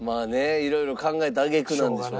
いろいろ考えた揚げ句なんでしょうね。